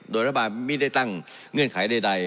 โดยรัฐบาลไม่ได้ตั้งเงื่อนไขใด